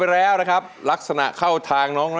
ยังไม่ต้องวิเคราะห์หน้าน้อยน่าขอวิเคราะห์หน้าอากงก่อนนะครับ